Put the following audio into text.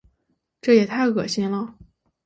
这也太恶心了。